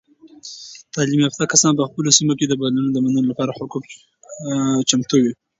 تعلیم یافته کسان په خپلو سیمو کې د بدلونونو د منلو لپاره چمتو وي.